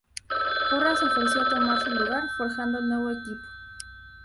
Korra se ofreció a tomar su lugar, forjando el nuevo equipo.